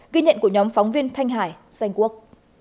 ghi nhận của nhóm phóng viên thanh hải xanh quốc